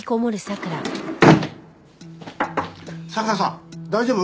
桜さん大丈夫？